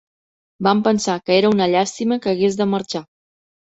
Vam pensar que era una llàstima que hagués de marxar.